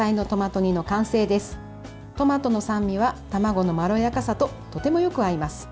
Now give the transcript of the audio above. トマトの酸味が卵のまろやかさととてもよく合います。